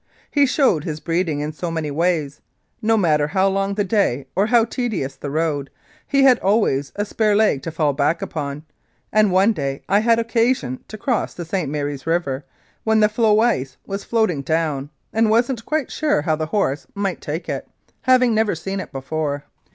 He showed his breed ing in so many ways; no matter how long the day or how tedious the road, he always had a spare leg to fall back upon, and one day I had occasion to cross the St. Mary's River when the floe ice was floating down, and wasn't quite sure how the horse might take it, never having seen it before.